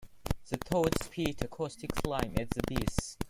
The toad spit a caustic slime at the bees.